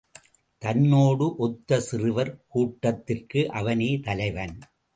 தன்னோடு ஒத்த சிறுவர் கூட்டத்திற்கு அவனே தலைவன்.